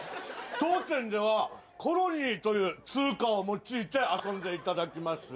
当店ではコロニーという通貨を用いて遊んでいただきます。